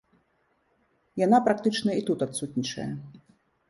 Яна практычна і тут адсутнічае.